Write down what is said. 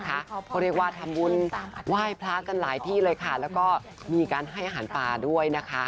เขาเรียกว่าทำบุญไหว้พระกันหลายที่เลยค่ะแล้วก็มีการให้อาหารปลาด้วยนะคะ